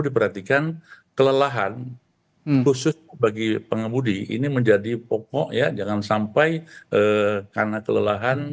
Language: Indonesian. diperhatikan kelelahan khusus bagi pengemudi ini menjadi pokok ya jangan sampai karena kelelahan